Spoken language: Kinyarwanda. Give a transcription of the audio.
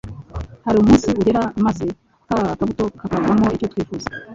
Hari umunsi ugera maze ka kabuto kakavamo icyo twifuzaga.